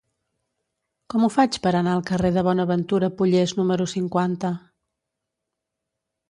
Com ho faig per anar al carrer de Bonaventura Pollés número cinquanta?